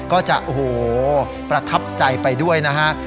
ก็จะโอ้โหประทับใจไปด้วยนะฮะ